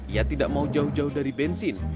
ia tidak mau jauh jauh dari bensin